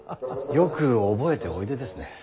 よく覚えておいでですね。